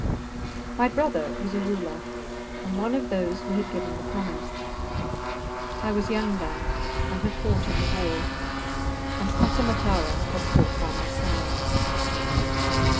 My brother was a Ruler, and one of those who had given the promise. I was young then, and had fought in the war, and Pata Matara had fought by my side.